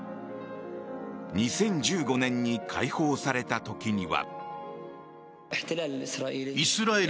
２０１５年に解放された時には。